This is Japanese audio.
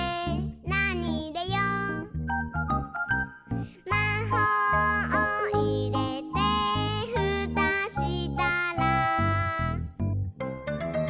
「なにいれよう？」「まほうをいれてふたしたら」